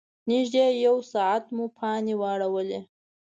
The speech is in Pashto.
نږدې یو ساعت مو پانې واړولې.